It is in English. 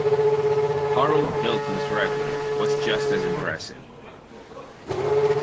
Harold Hilton's record was just as impressive.